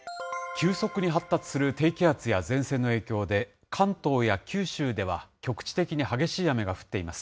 急速に発達する低気圧や前線の影響で、関東や九州では局地的に激しい雨が降っています。